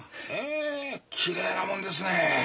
へえきれいなもんですねえ。